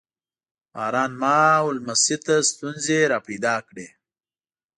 باران ما او نمسۍ ته ستونزې را پیدا کړې.